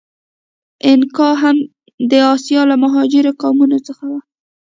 اینکا هم د آسیا له مهاجرو قومونو څخه و.